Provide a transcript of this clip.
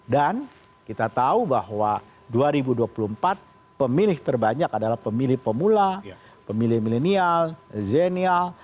dan kita tahu bahwa dua ribu dua puluh empat pemilih terbanyak adalah pemilih pemula pemilih milenial zennial